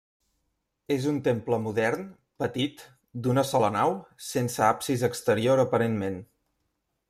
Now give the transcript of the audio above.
És un temple modern, petit, d'una sola nau, sense absis exterior aparentment.